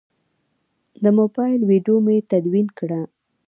د موبایل ویدیو مې تدوین کړه.